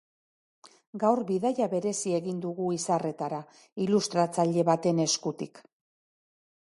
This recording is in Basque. Gaur bidaia berezia egin dugu izarretara, ilustratzaile baten eskutik.